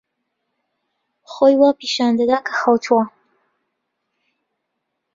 خۆی وا پیشان دەدا کە خەوتووە.